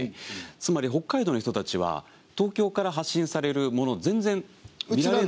つまり北海道の人たちは東京から発信されるものを全然見られない。